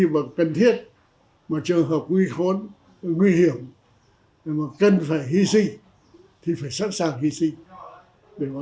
vì cần thiết trường hợp nguy hiểm cần phải hy sinh thì phải sẵn sàng hy sinh